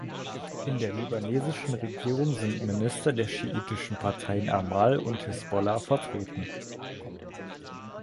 In der libanesischen Regierung sind Minister der schiitischen Parteien Amal und Hisbollah vertreten.